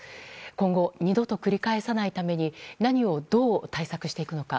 今後、二度と繰り返さないために何をどう対策していくのか。